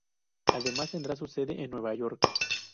Además, tendrá su sede en Nueva York.